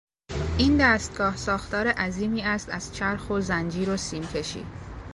این دستگاه ساختار عظیمی است از چرخ و زنجیر و سیم کشی